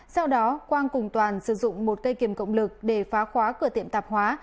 sau đó quang cùng toàn sử dụng một cây kiềm cộng lực để phá khóa cửa tiệm tạp hóa